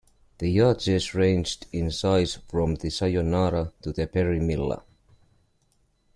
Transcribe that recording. The yachts ranged in size from the "Sayonara" to the "Berrimilla".